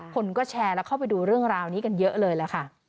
คนก็แชร์แล้วเข้าไปดูเรื่องราวนี้กันเยอะเลยล่ะค่ะ